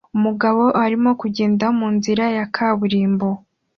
Umugabo arimo kugenda munzira ya kaburimbo